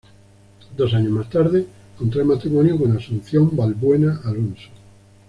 Dos años más tarde, contrae matrimonio con Asunción Balbuena Alonso.